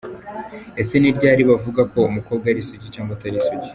Ese ni ryari bavuga ko umukobwa ari isugi cyangwa atari isugi